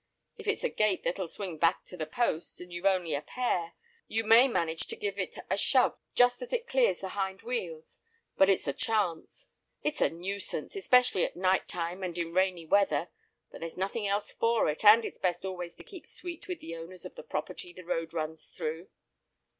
If it's a gate that'll swing back to the post, and you've only a pair, you may manage to give it a shove just as it clears the hind wheels, but it's a chance. It's a nuisance, especially at night time and in rainy weather, but there's nothing else for it, and it's best always to keep sweet with the owners of the property the road runs through.